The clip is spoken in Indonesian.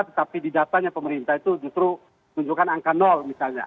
tetapi di datanya pemerintah itu justru menunjukkan angka misalnya